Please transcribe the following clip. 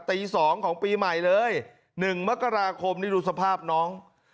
ตี๒ของปีใหม่เลย๑มกราคมนี่ดูสภาพน้อง